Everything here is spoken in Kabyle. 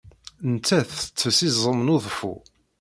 Nettat tettess iẓem n uḍeffu.